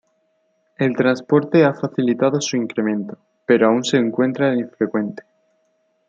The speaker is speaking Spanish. El transporte ha facilitado su incremento, pero aún se encuentra infrecuente.